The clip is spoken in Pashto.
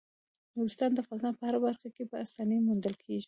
نورستان د افغانستان په هره برخه کې په اسانۍ موندل کېږي.